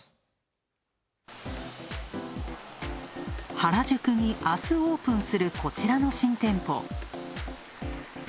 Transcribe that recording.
原宿に明日オープンする、こちらの新店舗。